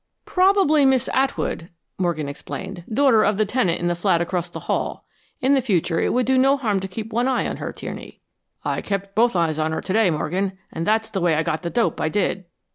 "Probably Miss Atwood," Morgan explained, "daughter of the tenant in the flat across the hall. In the future it will do no harm to keep one eye on her, Tierney." "I kept both eyes on her today, Morgan, and that's the way I got the dope I did."